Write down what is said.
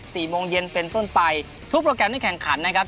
โมงเย็นเป็นต้นไปทุกโปรแกรมที่แข่งขันนะครับ